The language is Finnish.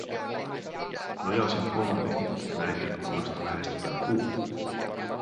Nojasin pommiin ja näin ikkunasta lähestyvän kuun.